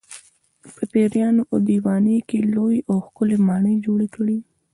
په پېریانو او دیوانو یې لویې او ښکلې ماڼۍ جوړې کړې.